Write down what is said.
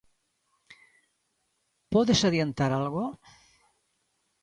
Pódese adiantar algo?